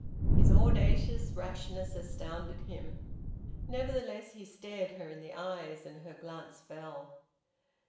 His audacious rashness astounded him. Nevertheless he stared her in the eyes, and her glance fell.